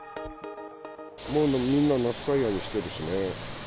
もうみんな、夏タイヤにしてるしね。